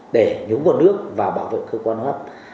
để nhúng nguồn nước và bảo vệ cơ quan hấp